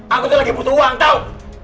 aku tuh lagi butuh uang kau